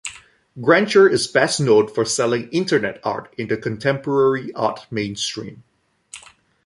Grancher is best known for selling Internet art in the contemporary art mainstream.